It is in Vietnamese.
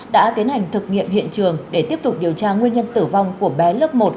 đã tiến hành thực nghiệm hiện trường để tiếp tục điều tra nguyên nhân tử vong của bé lớp một